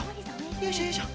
よいしょよいしょ。